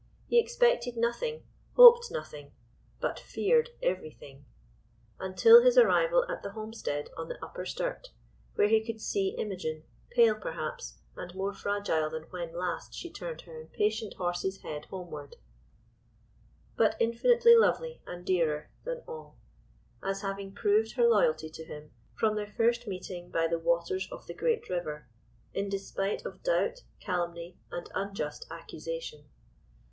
He expected nothing, hoped nothing, but feared everything—until his arrival at the homestead on the Upper Sturt, when he could see Imogen, pale, perhaps, and more fragile than when last she turned her impatient horse's head homeward—but infinitely lovely and dearer than all, as having proved her loyalty to him, from their first meeting by the waters of the Great River, in despite of doubt, calumny, and unjust accusation.